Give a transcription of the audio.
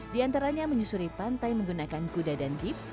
di antaranya menyusuri pantai menggunakan kuda dan jeep